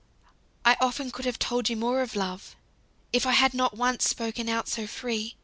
I often could have told you more of love, if I had not once spoken out so free.